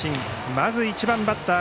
まず１番バッター